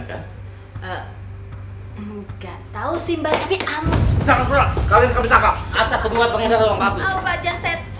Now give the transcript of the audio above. enggak tahu sih mbah tapi aman